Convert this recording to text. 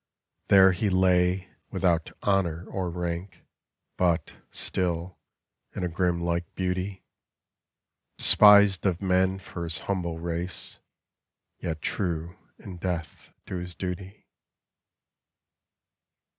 There he lay, without honor or rank, But, still, in a grim like beauty; Despised of men for his humble race, Yet true, in death, to his duty.